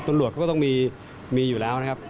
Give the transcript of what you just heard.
ตำรวจเขาก็ต้องมีอยู่แล้วนะครับ